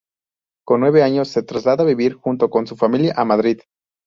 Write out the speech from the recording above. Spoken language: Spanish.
Con nueve años se traslada a vivir junto con su familia a Madrid.